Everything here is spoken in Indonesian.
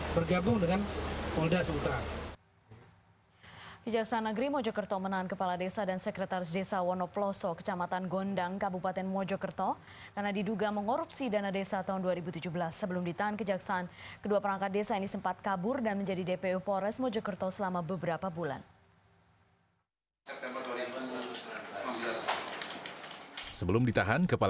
bergabung dengan kapolda sudara